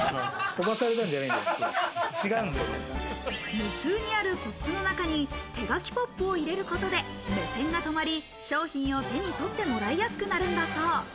無数にあるＰＯＰの中に手書きＰＯＰを入れることで目線が止まり、商品を手に取ってもらいやすくなるんだそう。